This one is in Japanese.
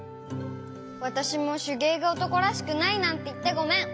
わたしもしゅげいがおとこらしくないなんていってごめん！